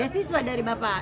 beasiswa dari bapak